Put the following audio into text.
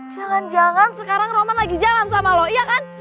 jangan jangan sekarang roman lagi jalan sama lo iya kan